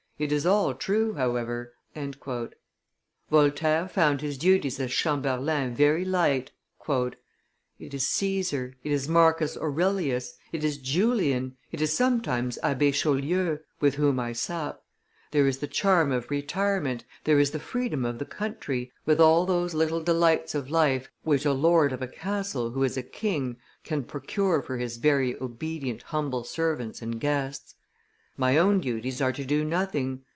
It is all true, however!" Voltaire found his duties as chamberlain very light. "It is Caesar, it is Marcus Aurelius, it is Julian, it is sometimes Abbe Chaulieu, with whom I sup; there is the charm of retirement, there is the freedom of the country, with all those little delights of life which a lord of a castle who is a king can procure for his very obedient humble servants and guests. My own duties are to do nothing.